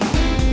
ya itu dia